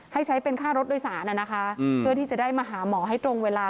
ให้ใช้เป็นค่ารถโดยสารนะคะเพื่อที่จะได้มาหาหมอให้ตรงเวลา